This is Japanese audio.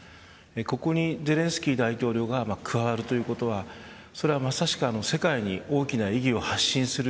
ここにゼレンスキー大統領が加わるということはそれはまさしく世界に大きな意義を発信する